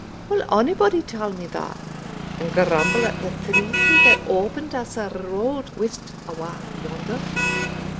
Will onybody tell me that, and grumble at the treaty that opened us a road west awa' yonder?"